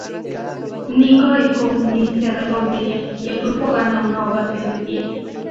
Nikko y Courtney se reconcilian, y el grupo gana una ovación de pie.